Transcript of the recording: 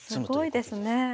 すごいですねえ。